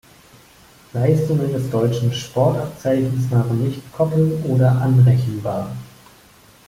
Leistungen des Deutschen Sportabzeichens waren nicht koppel- oder anrechenbar.